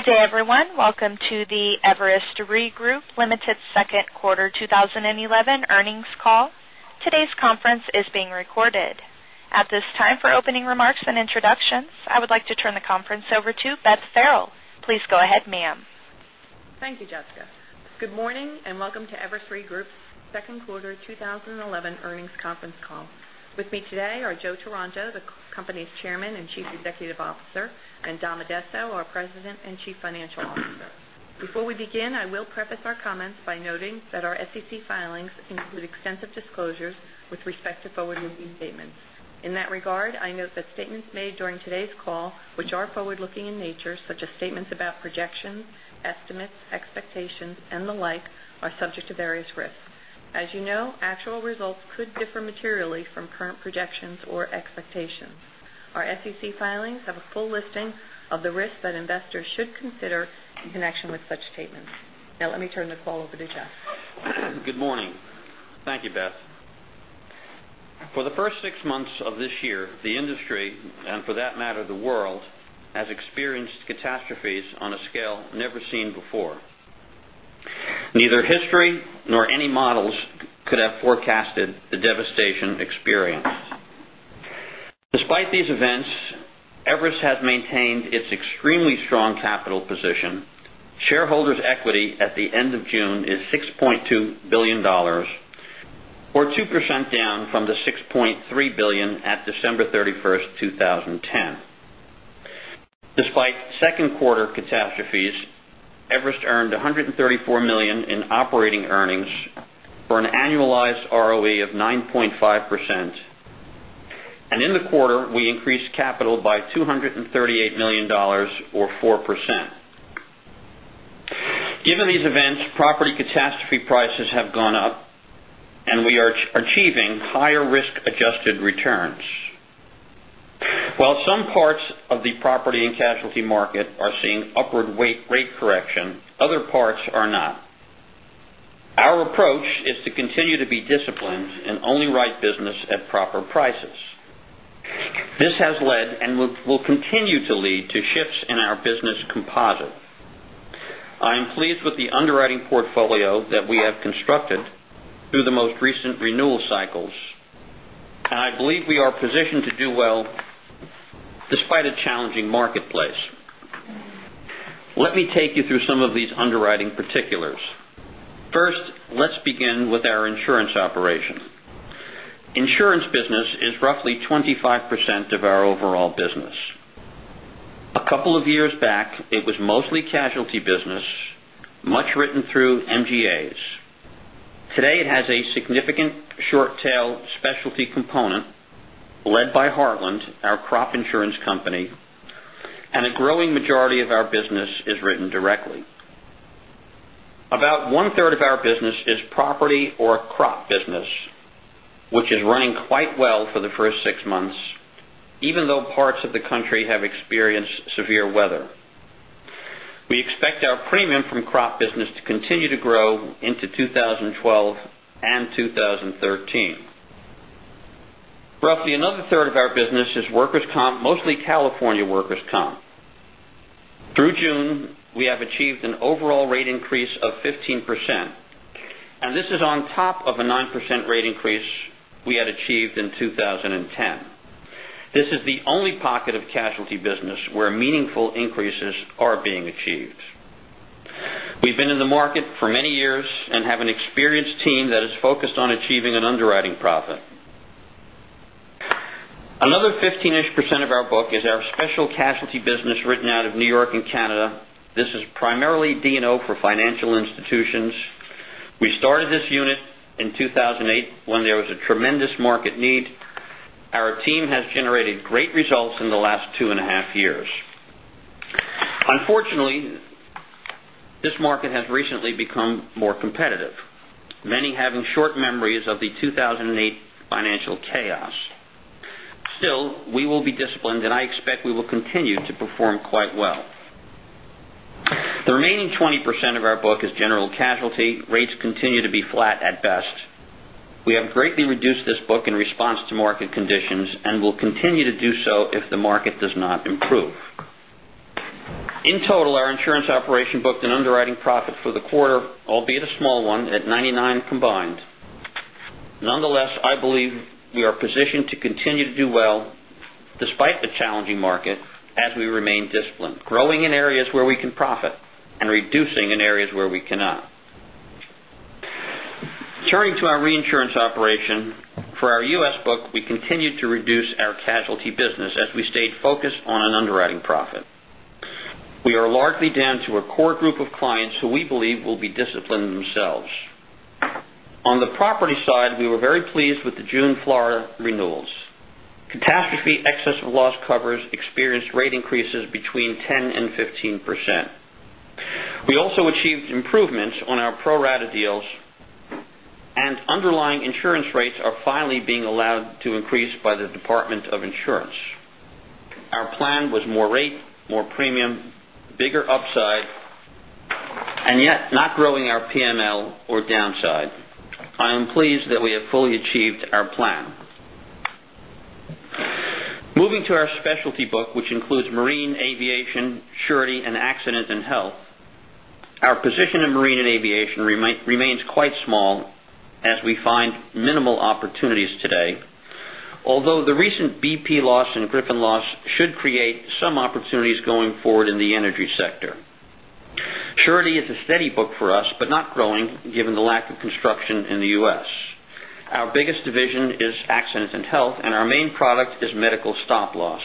Good day, everyone. Welcome to the Everest Re Group, Ltd. second quarter 2011 earnings call. Today's conference is being recorded. At this time, for opening remarks and introductions, I would like to turn the conference over to Beth Farrell. Please go ahead, ma'am. Thank you, Jessica. Good morning, and welcome to Everest Re Group's second quarter 2011 earnings conference call. With me today are Joe Taranto, the company's Chairman and Chief Executive Officer, and Dom Addesso, our President and Chief Financial Officer. Before we begin, I will preface our comments by noting that our SEC filings include extensive disclosures with respect to forward-looking statements. In that regard, I note that statements made during today's call, which are forward-looking in nature, such as statements about projections, estimates, expectations, and the like, are subject to various risks. As you know, actual results could differ materially from current projections or expectations. Our SEC filings have a full listing of the risks that investors should consider in connection with such statements. Let me turn the call over to Joe. Good morning. Thank you, Beth. For the first six months of this year, the industry, and for that matter, the world, has experienced catastrophes on a scale never seen before. Neither history nor any models could have forecasted the devastation experienced. Despite these events, Everest has maintained its extremely strong capital position. Shareholders' equity at the end of June is $6.2 billion, or 2% down from the $6.3 billion at December 31st, 2010. Despite second quarter catastrophes, Everest earned $134 million in operating earnings for an annualized ROE of 9.5%, and in the quarter, we increased capital by $238 million or 4%. Given these events, property catastrophe prices have gone up, and we are achieving higher risk-adjusted returns. While some parts of the property and casualty market are seeing upward rate correction, other parts are not. Our approach is to continue to be disciplined and only write business at proper prices. This has led and will continue to lead to shifts in our business composite. I am pleased with the underwriting portfolio that we have constructed through the most recent renewal cycles, and I believe we are positioned to do well despite a challenging marketplace. Let me take you through some of these underwriting particulars. First, let's begin with our insurance operation. Insurance business is roughly 25% of our overall business. A couple of years back, it was mostly casualty business, much written through MGAs. Today, it has a significant short-tail specialty component led by Heartland, our crop insurance company, and a growing majority of our business is written directly. About one-third of our business is property or crop business, which is running quite well for the first 6 months, even though parts of the country have experienced severe weather. We expect our premium from crop business to continue to grow into 2012 and 2013. Roughly another third of our business is workers' comp, mostly California workers' comp. Through June, we have achieved an overall rate increase of 15%, and this is on top of a 9% rate increase we had achieved in 2010. This is the only pocket of casualty business where meaningful increases are being achieved. We've been in the market for many years and have an experienced team that is focused on achieving an underwriting profit. Another 15-ish% of our book is our special casualty business written out of New York and Canada. This is primarily D&O for financial institutions. We started this unit in 2008 when there was a tremendous market need. Our team has generated great results in the last 2.5 years. Unfortunately, this market has recently become more competitive, many having short memories of the 2008 financial chaos. Still, we will be disciplined, and I expect we will continue to perform quite well. The remaining 20% of our book is general casualty. Rates continue to be flat at best. We have greatly reduced this book in response to market conditions and will continue to do so if the market does not improve. In total, our insurance operation booked an underwriting profit for the quarter, albeit a small one, at 99 combined. Nonetheless, I believe we are positioned to continue to do well despite the challenging market as we remain disciplined, growing in areas where we can profit and reducing in areas where we cannot. Turning to our reinsurance operation. For our U.S. book, we continued to reduce our casualty business as we stayed focused on an underwriting profit. We are largely down to a core group of clients who we believe will be disciplined themselves. On the property side, we were very pleased with the June Florida renewals. Catastrophe XOL covers experienced rate increases between 10% and 15%. We also achieved improvements on our pro-rata deals, and underlying insurance rates are finally being allowed to increase by the Department of Insurance. Our plan was more rate, more premium, bigger upside, and yet not growing our PML or downside. Moving to our specialty book, which includes marine, aviation, surety, and A&H. Our position in marine and aviation remains quite small as we find minimal opportunities today, although the recent BP loss and Gryphon loss should create some opportunities going forward in the energy sector. Surety is a steady book for us, but not growing, given the lack of construction in the U.S. Our biggest division is A&H, and our main product is medical stop-loss.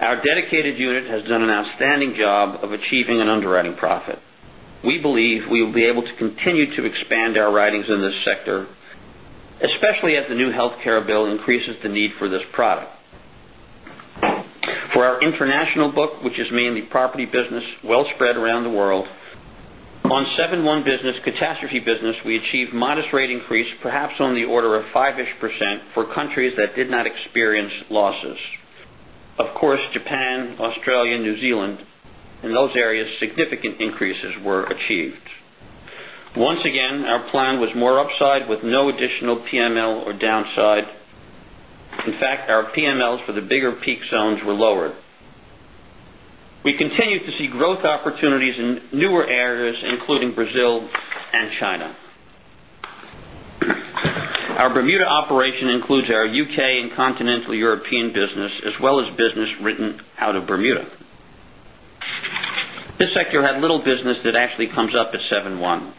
Our dedicated unit has done an outstanding job of achieving an underwriting profit. We believe we will be able to continue to expand our writings in this sector, especially as the new healthcare bill increases the need for this product. For our international book, which is mainly property business well spread around the world, on 7/1 business, catastrophe business, we achieved modest rate increase, perhaps on the order of 5-ish% for countries that did not experience losses. Of course, Japan, Australia, New Zealand, in those areas, significant increases were achieved. Once again, our plan was more upside with no additional PML or downside. In fact, our PMLs for the bigger peak zones were lower. We continue to see growth opportunities in newer areas, including Brazil and China. Our Bermuda operation includes our UK and continental European business, as well as business written out of Bermuda. This sector had little business that actually comes up at 7/1.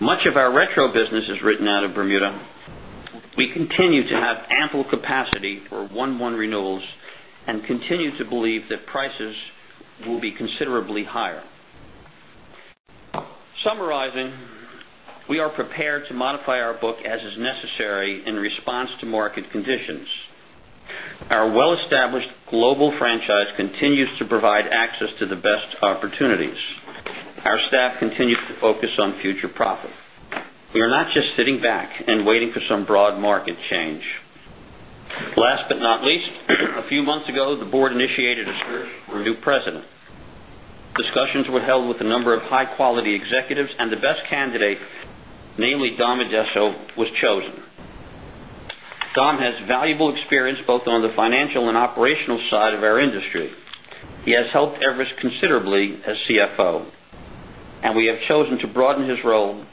Much of our retro business is written out of Bermuda. We continue to have ample capacity for 1/1 renewals and continue to believe that prices will be considerably higher. Summarizing, we are prepared to modify our book as is necessary in response to market conditions. Our well-established global franchise continues to provide access to the best opportunities. Our staff continues to focus on future profit. We are not just sitting back and waiting for some broad market change. Last but not least, a few months ago, the board initiated a search for a new president. Discussions were held with a number of high-quality executives, and the best candidate, namely Dom Addesso, was chosen. Dom has valuable experience both on the financial and operational side of our industry. He has helped Everest considerably as CFO, and we have chosen to broaden his role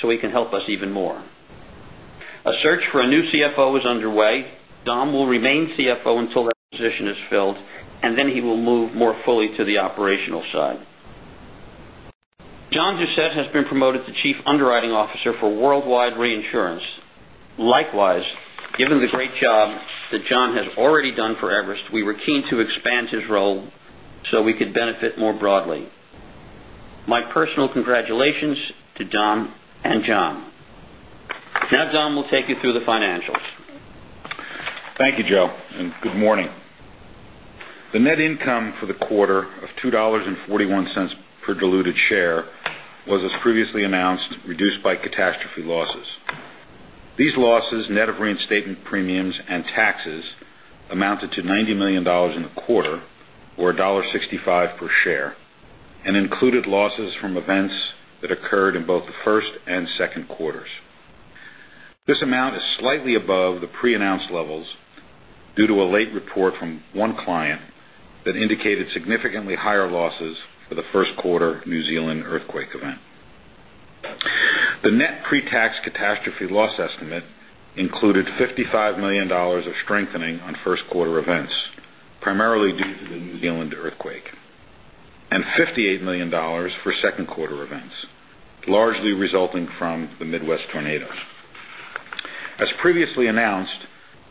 so he can help us even more. A search for a new CFO is underway. Dom will remain CFO until that position is filled, and then he will move more fully to the operational side. John Doucette has been promoted to Chief Underwriting Officer for Worldwide Reinsurance. Likewise, given the great job that John has already done for Everest, we were keen to expand his role so we could benefit more broadly. My personal congratulations to Dom and John. Now Dom will take you through the financials. Thank you, Joe, and good morning. The net income for the quarter of $2.41 per diluted share was, as previously announced, reduced by catastrophe losses. These losses, net of reinstatement premiums and taxes, amounted to $90 million in the quarter, or $1.65 per share, and included losses from events that occurred in both the first and second quarters. This amount is slightly above the pre-announced levels due to a late report from one client that indicated significantly higher losses for the first quarter New Zealand earthquake event. The net pre-tax catastrophe loss estimate included $55 million of strengthening on first quarter events, primarily due to the New Zealand earthquake, and $58 million for second quarter events, largely resulting from the Midwest tornadoes. As previously announced,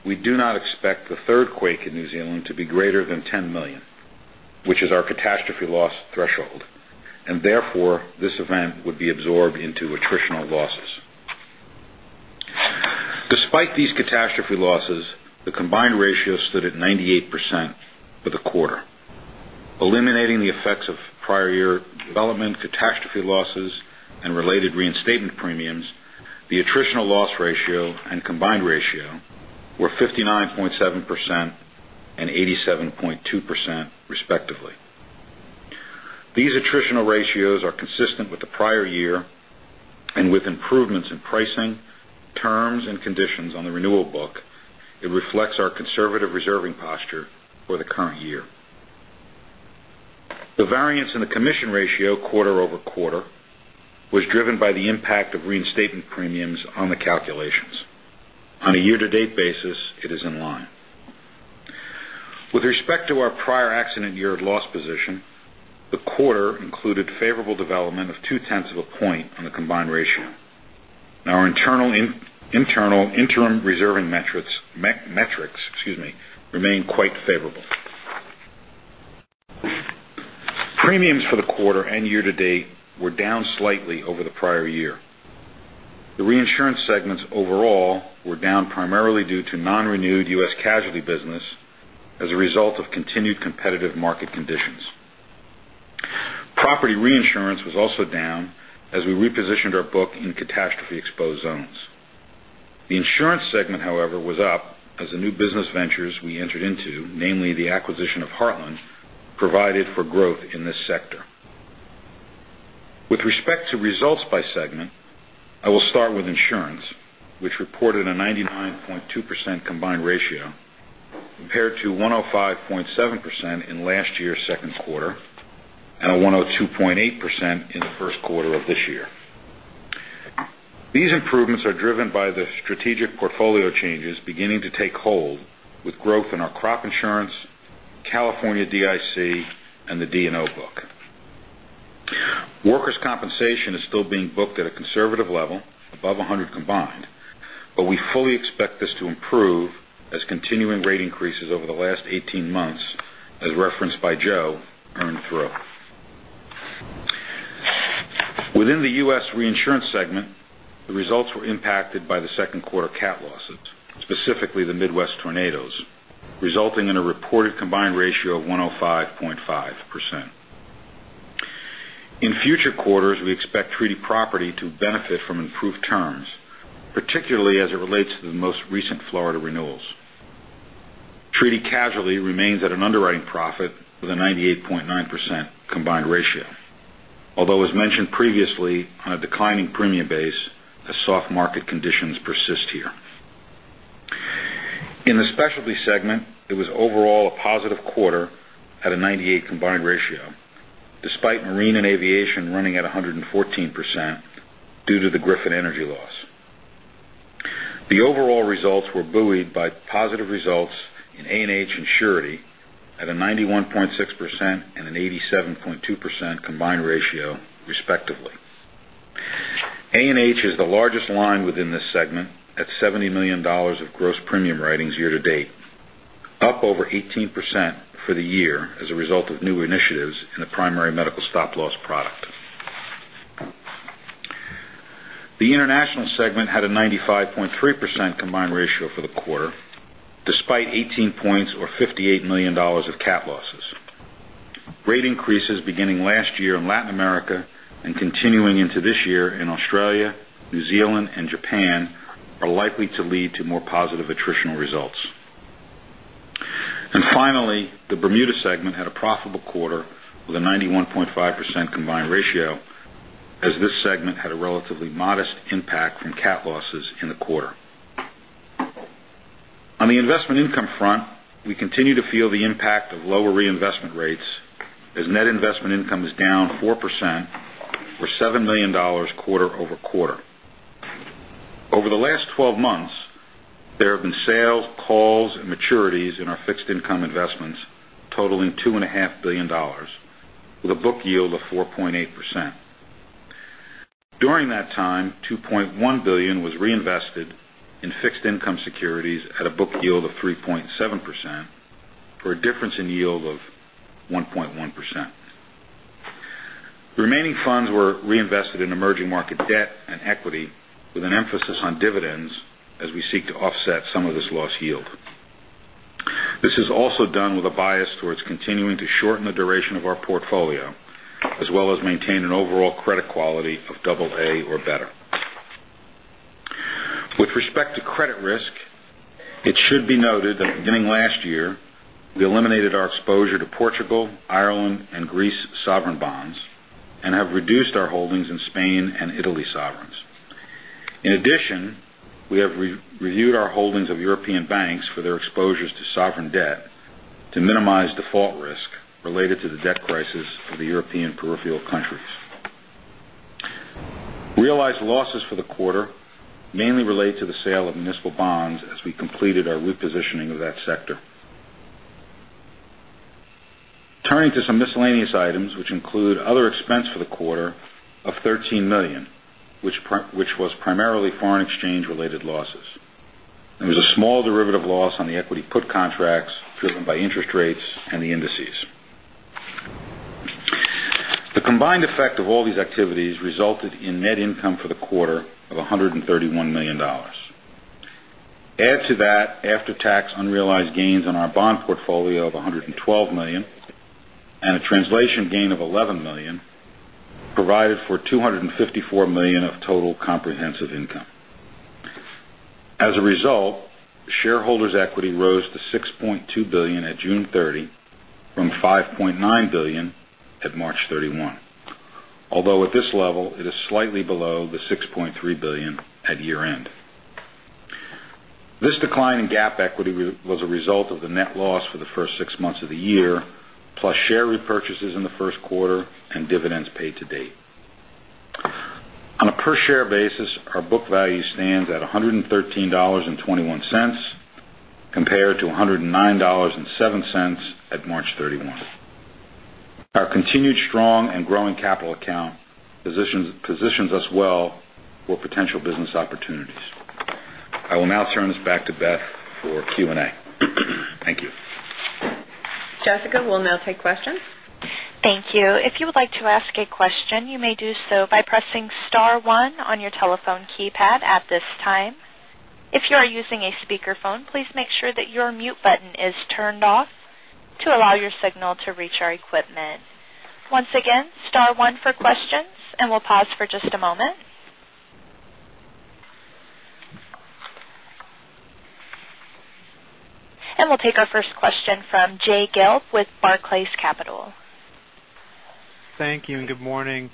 we do not expect the third quake in New Zealand to be greater than $10 million, which is our catastrophe loss threshold, and therefore, this event would be absorbed into attritional losses. Despite these catastrophe losses, the combined ratio stood at 98% for the quarter. Eliminating the effects of prior year development, catastrophe losses, and related reinstatement premiums, the attritional loss ratio and combined ratio were 59.7% and 87.2% respectively. These attritional ratios are consistent with the prior year and with improvements in pricing, terms, and conditions on the renewal book. It reflects our conservative reserving posture for the current year. The variance in the commission ratio quarter-over-quarter was driven by the impact of reinstatement premiums on the calculations. On a year-to-date basis, it is in line. With respect to our prior accident year of loss position, the quarter included favorable development of two-tenths of a point on the combined ratio. Our internal interim reserving metrics remain quite favorable. Premiums for the quarter and year-to-date were down slightly over the prior year. The reinsurance segments overall were down primarily due to non-renewed U.S. casualty business as a result of continued competitive market conditions. Property reinsurance was also down as we repositioned our book in catastrophe exposed zones. The insurance segment, however, was up as the new business ventures we entered into, namely the acquisition of Heartland, provided for growth in this sector. With respect to results by segment, I will start with insurance, which reported a 99.2% combined ratio compared to 105.7% in last year's second quarter and a 102.8% in the first quarter of this year. These improvements are driven by the strategic portfolio changes beginning to take hold with growth in our crop insurance, California DIC, and the D&O book. Workers' compensation is still being booked at a conservative level above 100 combined, but we fully expect this to improve as continuing rate increases over the last 18 months, as referenced by Joe, earn through. Within the U.S. reinsurance segment, the results were impacted by the second quarter cat losses, specifically the Midwest tornadoes, resulting in a reported combined ratio of 105.5%. In future quarters, we expect treaty property to benefit from improved terms, particularly as it relates to the most recent Florida renewals. Treaty casualty remains at an underwriting profit with a 98.9% combined ratio. Although as mentioned previously, on a declining premium base, the soft market conditions persist here. In the specialty segment, it was overall a positive quarter at a 98 combined ratio, despite marine and aviation running at 114% due to the Gryphon energy loss. The overall results were buoyed by positive results in A&H and surety at a 91.6% and an 87.2% combined ratio respectively. A&H is the largest line within this segment at $70 million of gross premium writings year-to-date, up over 18% for the year as a result of new initiatives in the primary medical stop loss product. The international segment had a 95.3% combined ratio for the quarter, despite 18 points or [$58 million of cat losses]. Rate increases beginning last year in Latin America and continuing into this year in Australia, New Zealand, and Japan, are likely to lead to more positive attritional results. Finally, the Bermuda segment had a profitable quarter with a 91.5% combined ratio, as this segment had a relatively modest impact from cat losses in the quarter. On the investment income front, we continue to feel the impact of lower reinvestment rates, as net investment income is down 4% or $7 million quarter-over-quarter. Over the last 12 months, there have been sales, calls, and maturities in our fixed income investments totaling $2.5 billion with a book yield of 4.8%. During that time, $2.1 billion was reinvested in fixed income securities at a book yield of 3.7%, for a difference in yield of 1.1%. The remaining funds were reinvested in emerging market debt and equity with an emphasis on dividends as we seek to offset some of this lost yield. This is also done with a bias towards continuing to shorten the duration of our portfolio, as well as maintain an overall credit quality of AA or better. With respect to credit risk, it should be noted that beginning last year, we eliminated our exposure to Portugal, Ireland, and Greece sovereign bonds and have reduced our holdings in Spain and Italy sovereigns. In addition, we have reviewed our holdings of European banks for their exposures to sovereign debt to minimize default risk related to the debt crisis of the European peripheral countries. Realized losses for the quarter mainly relate to the sale of municipal bonds as we completed our repositioning of that sector. Turning to some miscellaneous items, which include other expense for the quarter of $13 million, which was primarily foreign exchange related losses. There was a small derivative loss on the equity put contracts driven by interest rates and the indices. The combined effect of all these activities resulted in net income for the quarter of $131 million. Add to that, after-tax unrealized gains on our bond portfolio of $112 million and a translation gain of $11 million provided for $254 million of total comprehensive income. As a result, shareholders' equity rose to $6.2 billion at June 30 from $5.9 billion at March 31. Although at this level, it is slightly below the $6.3 billion at year-end. This decline in GAAP equity was a result of the net loss for the first six months of the year, plus share repurchases in the first quarter and dividends paid to date. On a per share basis, our book value stands at $113.21 compared to $109.07 at March 31. Our continued strong and growing capital account positions us well for potential business opportunities. I will now turn this back to Beth for Q&A. Thank you. Jessica, we'll now take questions. Thank you. If you would like to ask a question, you may do so by pressing star one on your telephone keypad at this time. If you are using a speakerphone, please make sure that your mute button is turned off to allow your signal to reach our equipment. Once again, star one for questions, we'll pause for just a moment. We'll take our first question from Jay Gelb with Barclays Capital. Thank you and good morning.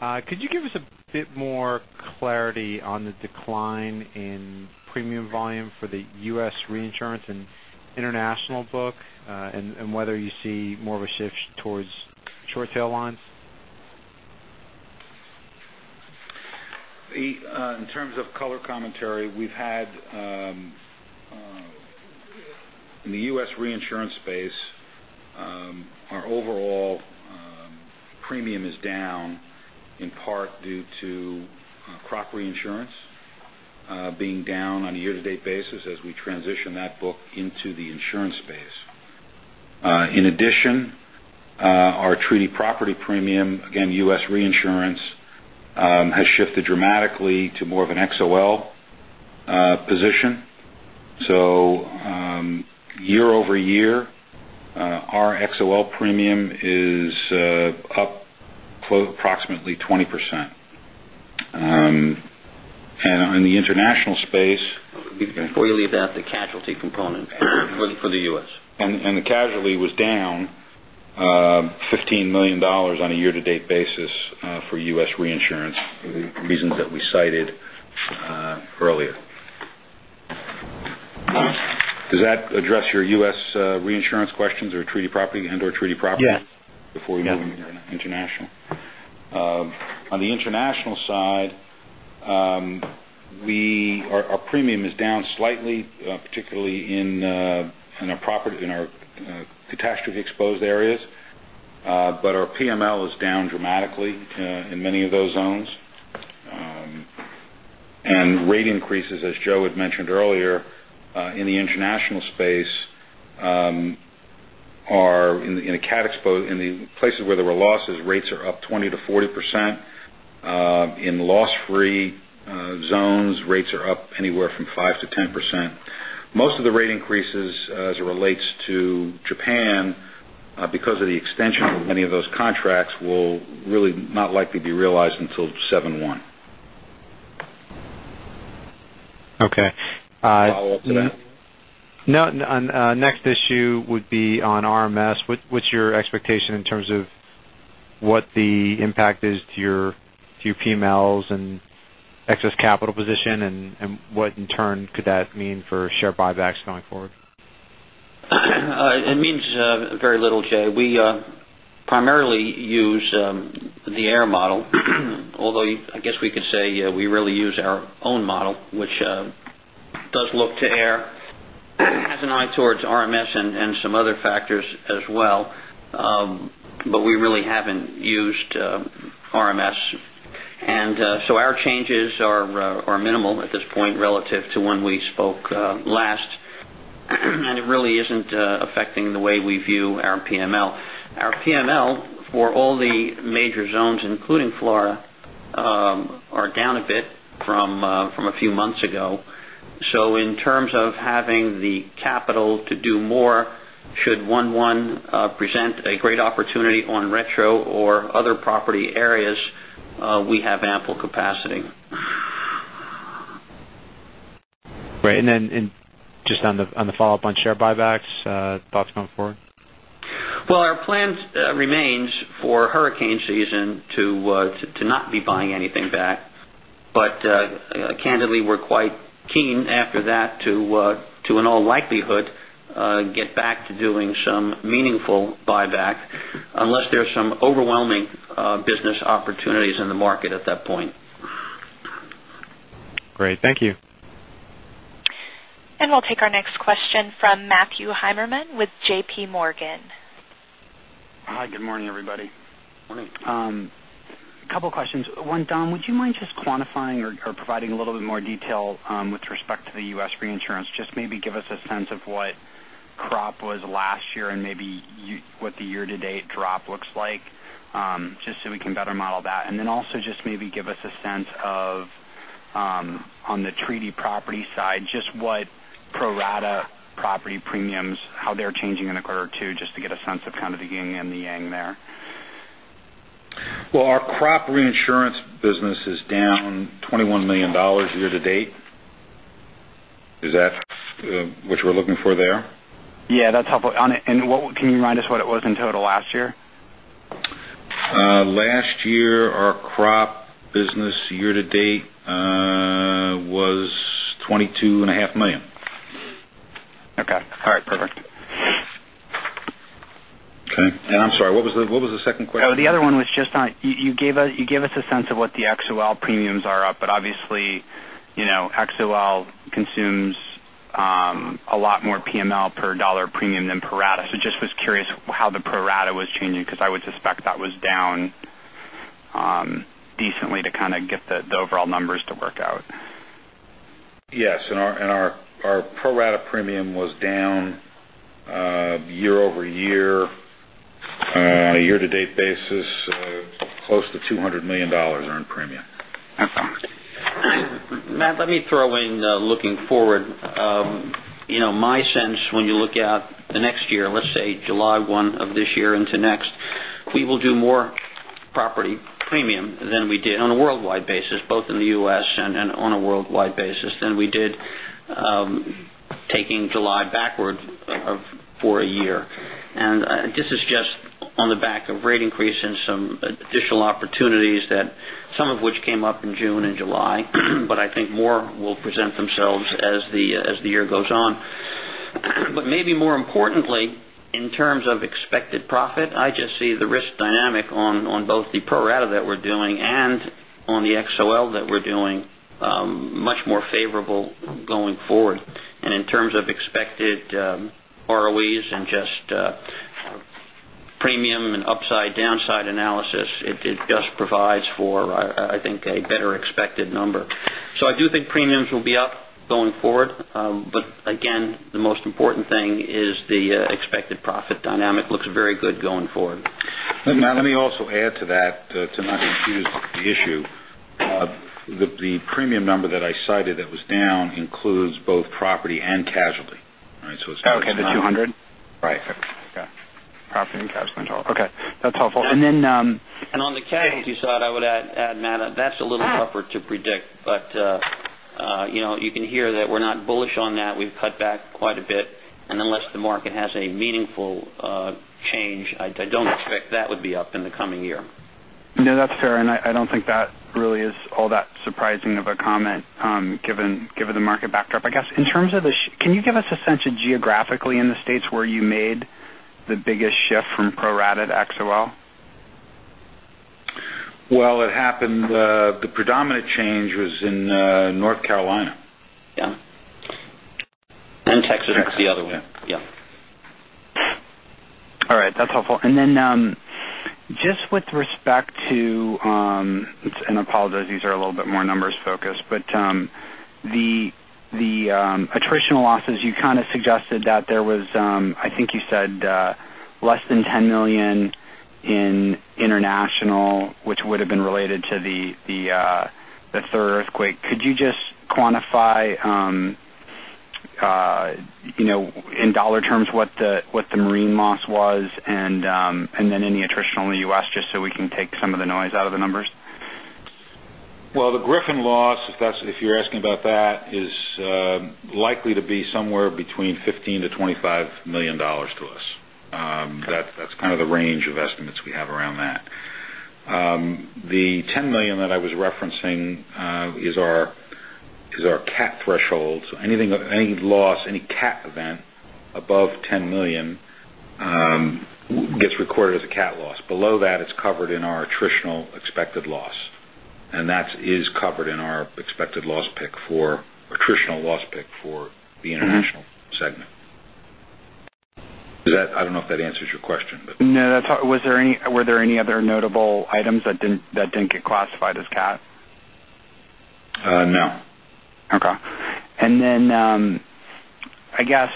Could you give us a bit more clarity on the decline in premium volume for the U.S. reinsurance and international book, whether you see more of a shift towards short tail lines? In terms of color commentary, we've had in the U.S. reinsurance space, our overall premium is down in part due to crop reinsurance being down on a year-to-date basis as we transition that book into the insurance space. In addition, our treaty property premium, again, U.S. reinsurance, has shifted dramatically to more of an XOL position. Year-over-year, our XOL premium is up approximately 20%. On the international space. Before you leave that, the casualty component for the U.S. The casualty was down $15 million on a year-to-date basis for U.S. reinsurance for the reasons that we cited earlier. Does that address your U.S. reinsurance questions or treaty property and/or treaty property? Yes. Before we move into international. On the international side, our premium is down slightly, particularly in our catastrophe exposed areas. Our PML is down dramatically in many of those zones. Rate increases, as Joe had mentioned earlier, in the international space are in the cat exposed, in the places where there were losses, rates are up 20%-40%. In loss-free zones, rates are up anywhere from 5%-10%. Most of the rate increases as it relates to Japan, because of the extension of many of those contracts, will really not likely be realized until seven one. Okay. Follow up to that? No, next issue would be on RMS. What's your expectation in terms of what the impact is to your PMLs and excess capital position, and what in turn could that mean for share buybacks going forward? It means very little, Jay. We primarily use the AIR model, although I guess we could say we really use our own model, which does look to AIR, has an eye towards RMS and some other factors as well. We really haven't used RMS. Our changes are minimal at this point relative to when we spoke last. It really isn't affecting the way we view our PML. Our PML for all the major zones, including Florida, are down a bit from a few months ago. In terms of having the capital to do more, should one present a great opportunity on retro or other property areas, we have ample capacity. Great. Just on the follow-up on share buybacks, thoughts going forward? Well, our plan remains for hurricane season to not be buying anything back. Candidly, we're quite keen after that to, in all likelihood, get back to doing some meaningful buyback, unless there's some overwhelming business opportunities in the market at that point. Great. Thank you. We'll take our next question from Matthew Heimermann with JPMorgan. Hi, good morning, everybody. Morning. A couple questions. One, Dom, would you mind just quantifying or providing a little bit more detail with respect to the U.S. reinsurance? Just maybe give us a sense of what crop was last year and maybe what the year-to-date drop looks like, just so we can better model that. Then also just maybe give us a sense of, on the treaty property side, just what pro-rata property premiums, how they're changing in the quarter two, just to get a sense of kind of the yin and the yang there. Well, our crop reinsurance business is down $21 million year to date. Is that what you were looking for there? Yeah, that's helpful. Can you remind us what it was in total last year? Last year, our crop business year to date was $22 and a half million. Okay. All right, perfect. Okay. I'm sorry, what was the second question? Oh, the other one was just on, you gave us a sense of what the XOL premiums are up, but obviously, XOL consumes a lot more PML per dollar premium than pro rata. Just was curious how the pro rata was changing, because I would suspect that was down decently to kind of get the overall numbers to work out. Our pro rata premium was down year-over-year on a year-to-date basis, close to $200 million earned premium. Okay. Matt, let me throw in looking forward. My sense when you look at the next year, let's say July 1 of this year into next We will do more property premium than we did on a worldwide basis, both in the U.S. and on a worldwide basis than we did taking July backward for a year. This is just on the back of rate increases, some additional opportunities that some of which came up in June and July, but I think more will present themselves as the year goes on. Maybe more importantly, in terms of expected profit, I just see the risk dynamic on both the pro-rata that we're doing and on the XOL that we're doing much more favorable going forward. In terms of expected ROEs and just premium and upside/downside analysis, it just provides for, I think, a better expected number. I do think premiums will be up going forward. Again, the most important thing is the expected profit dynamic looks very good going forward. Matt, let me also add to that, to not confuse the issue. The premium number that I cited that was down includes both property and casualty. All right. Okay, the 200? Right. Okay. Got it. Property and casualty. Okay. That's helpful. On the casualty side, I would add, Matt, that's a little tougher to predict, but you can hear that we're not bullish on that. We've cut back quite a bit, unless the market has a meaningful change, I don't expect that would be up in the coming year. No, that's fair. I don't think that really is all that surprising of a comment given the market backdrop. I guess, can you give us a sense of geographically in the U.S. where you made the biggest shift from pro-rata to XOL? Well, it happened, the predominant change was in North Carolina. Yeah. Texas the other way. Yeah. All right, that's helpful. Just with respect to, and I apologize, these are a little bit more numbers focused, but the attritional losses, you kind of suggested that there was, I think you said less than $10 million in international, which would've been related to the third earthquake. Could you just quantify in dollar terms what the marine loss was and then any attritional in the U.S. just so we can take some of the noise out of the numbers? Well, the Gryphon loss, if you're asking about that, is likely to be somewhere between $15 million-$25 million to us. That's kind of the range of estimates we have around that. The $10 million that I was referencing is our cat threshold. Any loss, any cat event above $10 million gets recorded as a cat loss. Below that, it's covered in our attritional expected loss, and that is covered in our attritional loss pick for the international segment. I don't know if that answers your question. No. Were there any other notable items that didn't get classified as cat? No. Okay. I guess,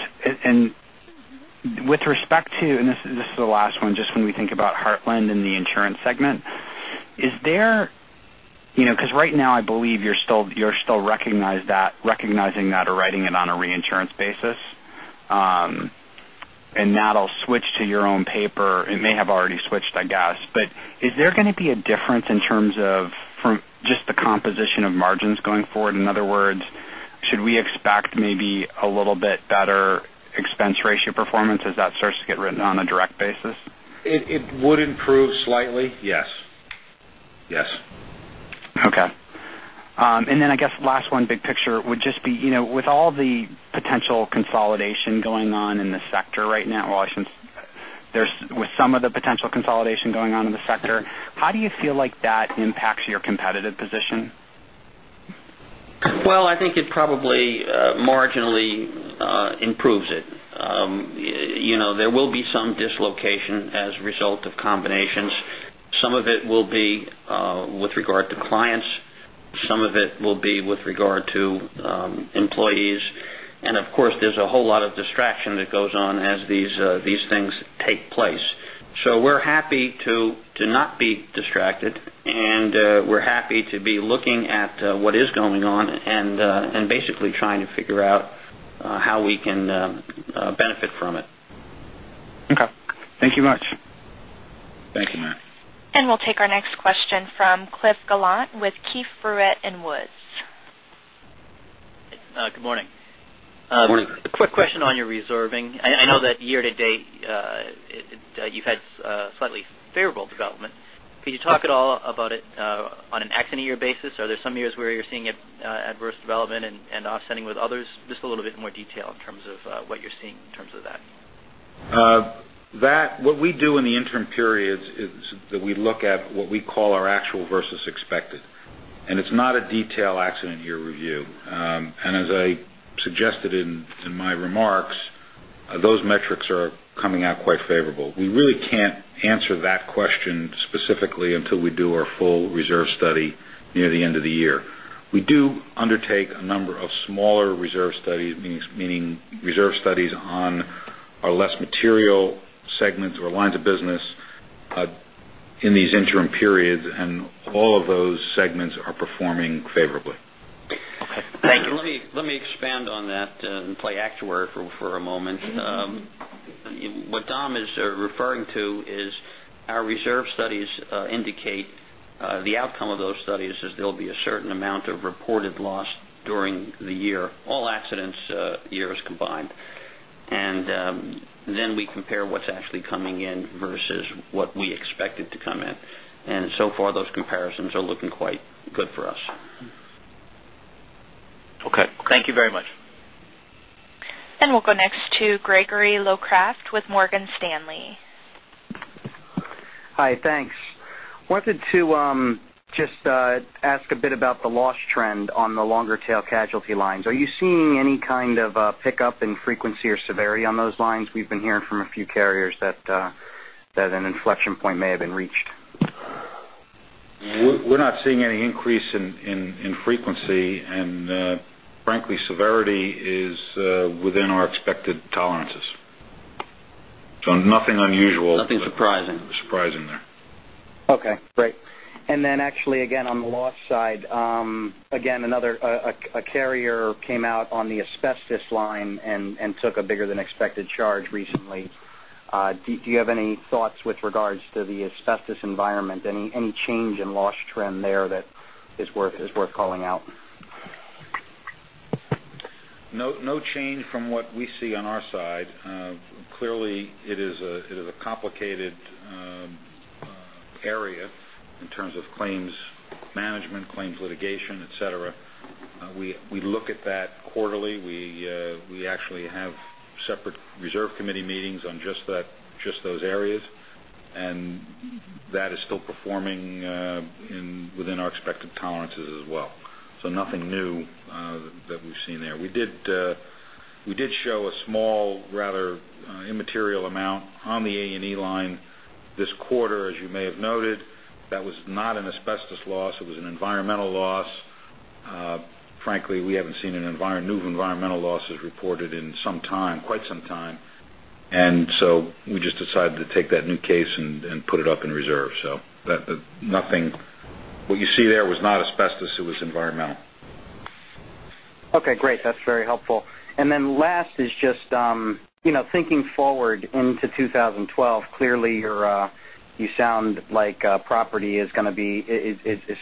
with respect to, and this is the last one, just when we think about Heartland and the insurance segment. Right now I believe you're still recognizing that or writing it on a reinsurance basis. That'll switch to your own paper. It may have already switched, I guess. Is there going to be a difference in terms of from just the composition of margins going forward? In other words, should we expect maybe a little bit better expense ratio performance as that starts to get written on a direct basis? It would improve slightly. Yes. Okay. I guess last one, big picture would just be with all the potential consolidation going on in the sector right now, with some of the potential consolidation going on in the sector, how do you feel like that impacts your competitive position? Well, I think it probably marginally improves it. There will be some dislocation as a result of combinations. Some of it will be with regard to clients. Some of it will be with regard to employees. Of course, there's a whole lot of distraction that goes on as these things take place. We're happy to not be distracted, and we're happy to be looking at what is going on and basically trying to figure out how we can benefit from it. Okay. Thank you much. Thank you, Matt. We'll take our next question from Cliff Gallant with Keefe, Bruyette & Woods. Good morning. Morning. A quick question on your reserving. I know that year-to-date you've had slightly favorable development. Could you talk at all about it on an accident year basis? Are there some years where you're seeing adverse development and offsetting with others? Just a little bit more detail in terms of what you're seeing in terms of that. What we do in the interim periods is that we look at what we call our actual versus expected. It's not a detail accident year review. As I suggested in my remarks, those metrics are coming out quite favorable. We really can't answer that question specifically until we do our full reserve study near the end of the year. We do undertake a number of smaller reserve studies, meaning reserve studies on our less material segments or lines of business in these interim periods, and all of those segments are performing favorably. Thank you. Let me expand on that and play actuary for a moment. What Dom is referring to is our reserve studies indicate the outcome of those studies is there'll be a certain amount of reported loss during the year, all accidents years combined. Then we compare what's actually coming in versus what we expected to come in. So far, those comparisons are looking quite good for us. Okay. Thank you very much. We'll go next to Gregory Locraft with Morgan Stanley. Hi, thanks. I wanted to just ask a bit about the loss trend on the longer tail casualty lines. Are you seeing any kind of a pickup in frequency or severity on those lines? We've been hearing from a few carriers that an inflection point may have been reached. We're not seeing any increase in frequency, and frankly, severity is within our expected tolerances. Nothing unusual. Nothing surprising surprising there. Okay, great. Then actually again, on the loss side, again, another carrier came out on the asbestos line and took a bigger than expected charge recently. Do you have any thoughts with regards to the asbestos environment? Any change in loss trend there that is worth calling out? No change from what we see on our side. Clearly, it is a complicated area in terms of claims management, claims litigation, et cetera. We look at that quarterly. We actually have separate reserve committee meetings on just those areas, and that is still performing within our expected tolerances as well. Nothing new that we've seen there. We did show a small, rather immaterial amount on the A&E line this quarter, as you may have noted. That was not an asbestos loss. It was an environmental loss. Frankly, we haven't seen new environmental losses reported in quite some time. So we just decided to take that new case and put it up in reserve. What you see there was not asbestos, it was environmental. Okay, great. That's very helpful. Last is just thinking forward into 2012. Clearly, you sound like property is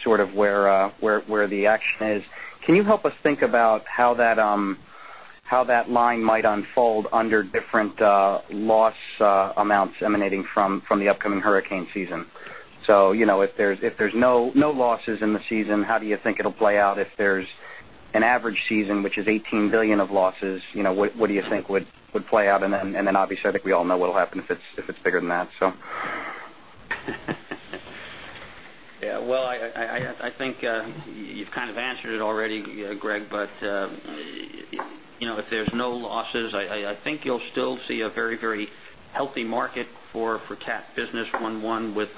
sort of where the action is. Can you help us think about how that line might unfold under different loss amounts emanating from the upcoming hurricane season? If there's no losses in the season, how do you think it'll play out? If there's an average season, which is $18 billion of losses, what do you think would play out? Obviously, I think we all know what'll happen if it's bigger than that. I think you've kind of answered it already, Greg, if there's no losses, I think you'll still see a very healthy market for cat business on one with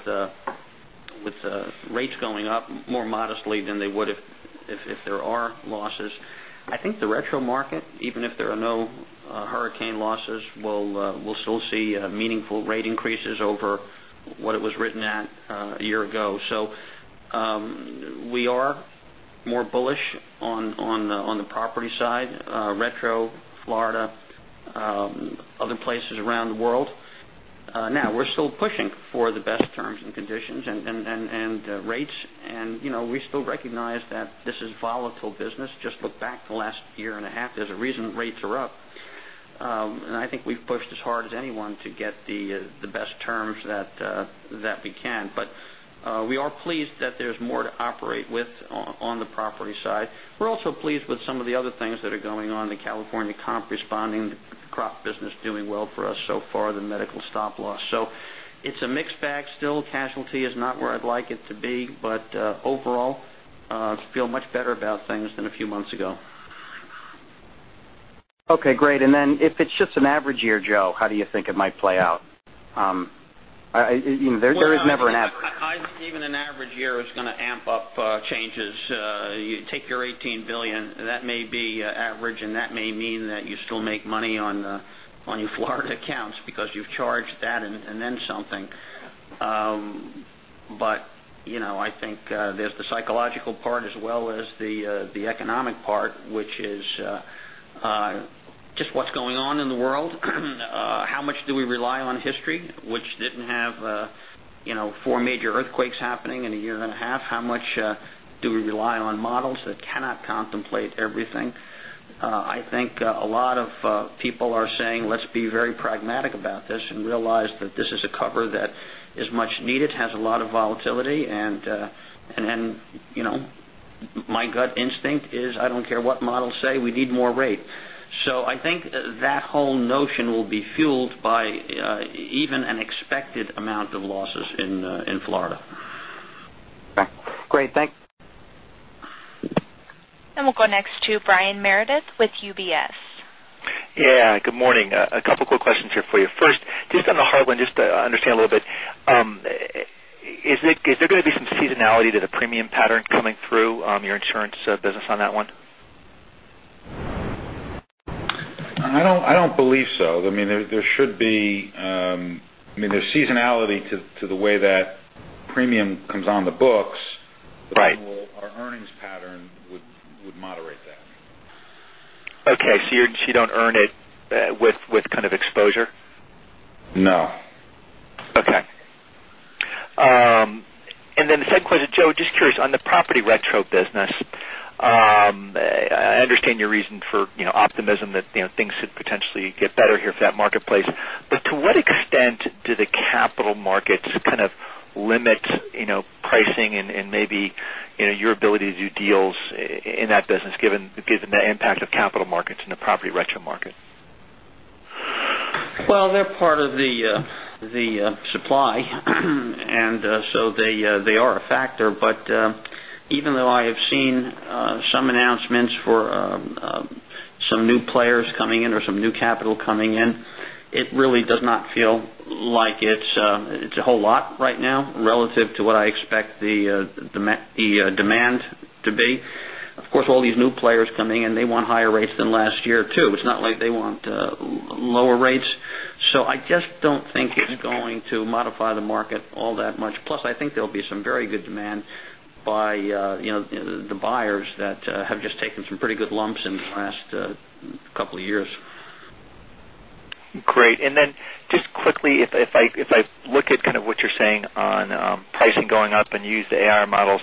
rates going up more modestly than they would if there are losses. I think the retro market, even if there are no hurricane losses, we'll still see meaningful rate increases over what it was written at a year ago. We are more bullish on the property side, retro Florida, other places around the world. We're still pushing for the best terms and conditions and rates, and we still recognize that this is volatile business. Just look back the last year and a half. There's a reason rates are up. I think we've pushed as hard as anyone to get the best terms that we can. We are pleased that there's more to operate with on the property side. We're also pleased with some of the other things that are going on, the California DIC responding, the crop business doing well for us so far, the medical stop loss. It's a mixed bag still. Casualty is not where I'd like it to be, overall, feel much better about things than a few months ago. Okay, great. If it's just an average year, Joe, how do you think it might play out? There is never an average. I think even an average year is going to amp up changes. You take your $18 billion, that may be average, and that may mean that you still make money on your Florida accounts because you've charged that and then something. I think there's the psychological part as well as the economic part, which is just what's going on in the world. How much do we rely on history, which didn't have four major earthquakes happening in a year and a half? How much do we rely on models that cannot contemplate everything? I think a lot of people are saying, let's be very pragmatic about this and realize that this is a cover that is much needed, has a lot of volatility, and my gut instinct is I don't care what models say, we need more rate. I think that whole notion will be fueled by even an expected amount of losses in Florida. Okay, great. We'll go next to Brian Meredith with UBS. Yeah, good morning. A couple quick questions here for you. First, just on the Heartland, just to understand a little bit. Is there going to be some seasonality to the premium pattern coming through your insurance business on that one? I don't believe so. There's seasonality to the way that premium comes on the books. Right. Our earnings pattern would moderate that. Okay. You don't earn it with kind of exposure? No. Okay. The second question, Joe, just curious, on the property retro business, I understand your reason for optimism that things could potentially get better here for that marketplace. To what extent do the capital markets kind of limit pricing and maybe your ability to do deals in that business, given the impact of capital markets in the property retro market? Well, they're part of the supply, they are a factor. Even though I have seen some announcements for some new players coming in or some new capital coming in, it really does not feel like it's a whole lot right now relative to what I expect the demand to be. Of course, all these new players coming in, they want higher rates than last year, too. It's not like they want lower rates. I just don't think it's going to modify the market all that much. Plus, I think there'll be some very good demand by the buyers that have just taken some pretty good lumps in the last couple of years. Great. Just quickly, if I look at kind of what you're saying on pricing going up and use the AIR models,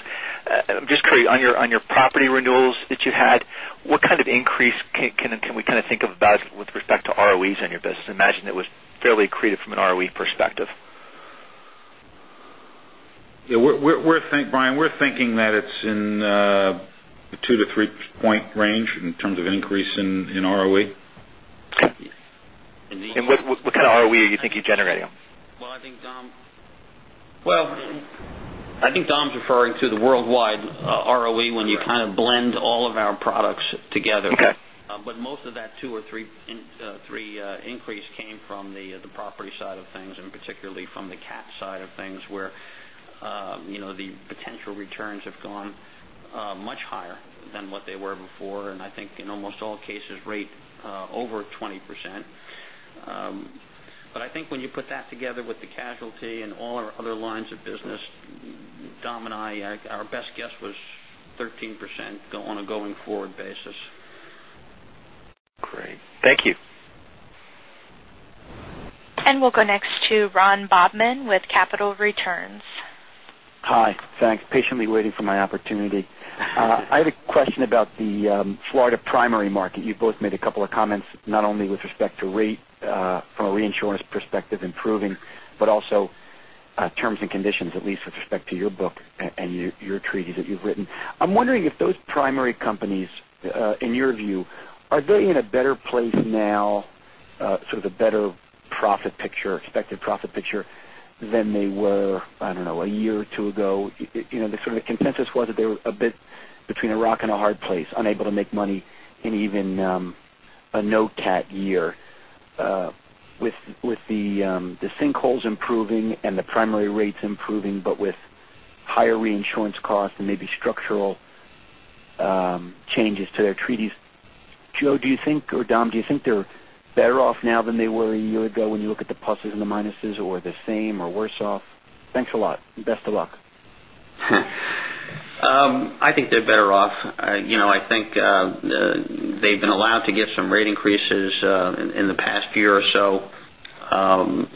just curious on your property renewals that you had, what kind of increase can we kind of think about with respect to ROEs on your business? I imagine it was fairly accretive from an ROE perspective. Yeah, Brian, we're thinking that it's in the two- to three-point range in terms of increase in ROE. What kind of ROE do you think you're generating? Well, I think Dom's referring to the worldwide ROE when you kind of blend all of our products together. Okay. Most of that two or three increase came from the property side of things, and particularly from the cat side of things, where the potential returns have gone much higher than what they were before, and I think in almost all cases rate over 20%. I think when you put that together with the casualty and all our other lines of business, Dom and I, our best guess was 13% on a going forward basis. Great. Thank you. We'll go next to Ron Bobman with Capital Returns. Hi. Thanks. Patiently waiting for my opportunity. I have a question about the Florida primary market. You both made a couple of comments, not only with respect to rate from a reinsurance perspective improving, but also terms and conditions, at least with respect to your book and your treaties that you've written. I'm wondering if those primary companies, in your view, are they in a better place now, sort of a better expected profit picture than they were, I don't know, a year or two ago? The sort of consensus was that they were a bit between a rock and a hard place, unable to make money in even a no-cat year. With the sinkholes improving and the primary rates improving, but with higher reinsurance costs and maybe structural changes to their treaties, Joe, do you think, or Dom, do you think they're better off now than they were a year ago when you look at the pluses and the minuses, or the same or worse off? Thanks a lot. Best of luck. I think they're better off. I think they've been allowed to get some rate increases in the past year or so.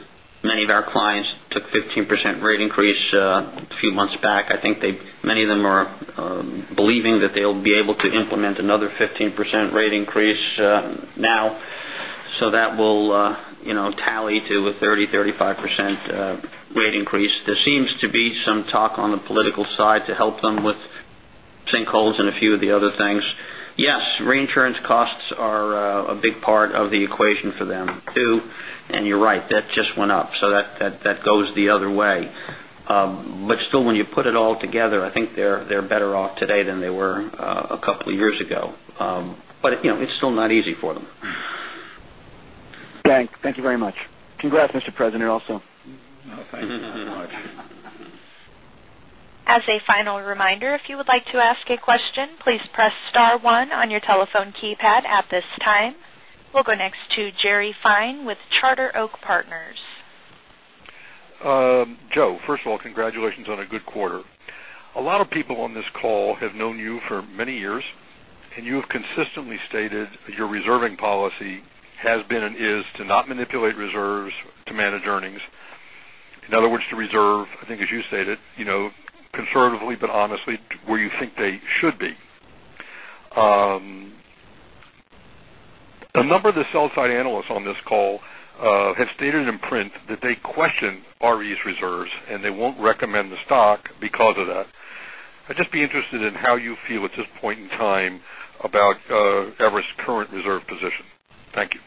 Many of our clients took a 15% rate increase a few months back. I think many of them are believing that they'll be able to implement another 15% rate increase now. That will tally to a 30%, 35% rate increase. There seems to be some talk on the political side to help them with sinkholes and a few of the other things. Yes, reinsurance costs are a big part of the equation for them, too. You're right, that just went up. That goes the other way. Still, when you put it all together, I think they're better off today than they were a couple of years ago. It's still not easy for them. Thanks. Thank you very much. Congrats, Mr. President, also. Oh, thank you very much. As a final reminder, if you would like to ask a question, please press star one on your telephone keypad at this time. We'll go next to Jerry Fine with Charter Oak Partners. Joe, first of all, congratulations on a good quarter. A lot of people on this call have known you for many years, and you have consistently stated your reserving policy has been and is to not manipulate reserves to manage earnings. In other words, to reserve, I think as you stated, conservatively but honestly where you think they should be. A number of the sell side analysts on this call have stated in print that they question RE's reserves and they won't recommend the stock because of that. I'd just be interested in how you feel at this point in time about Everest's current reserve position. Thank you.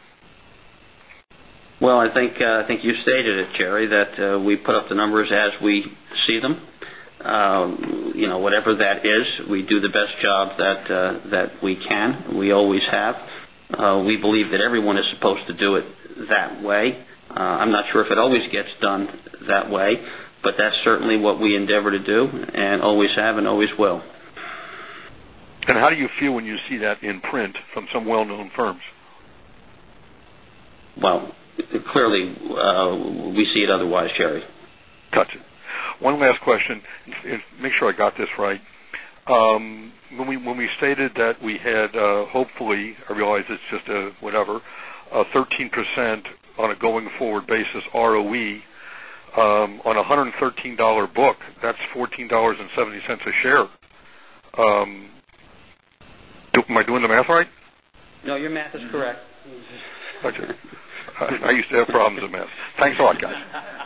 Well, I think you stated it, Jerry, that we put up the numbers as we see them. Whatever that is, we do the best job that we can, we always have. We believe that everyone is supposed to do it that way. I'm not sure if it always gets done that way, but that's certainly what we endeavor to do and always have and always will. How do you feel when you see that in print from some well-known firms? Well, clearly, we see it otherwise, Jerry. Got you. One last question. Make sure I got this right. When we stated that we had, hopefully, I realize it's just a whatever, a 13% on a going forward basis ROE on a $113 book, that's $14.70 a share. Am I doing the math right? No, your math is correct. Got you. I used to have problems with math. Thanks a lot, guys.